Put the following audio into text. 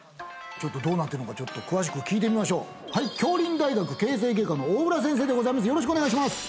ちょっとどうなってるのか詳しく聞いてみましょうはい杏林大学形成外科の大浦先生でございます